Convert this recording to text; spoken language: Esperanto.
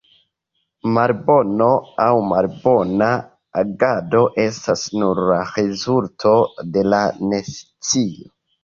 Malbono aŭ malbona agado estas nur la rezulto de la nescio.